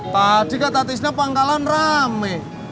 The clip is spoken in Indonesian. tadi kak tatisnya pangkalan rame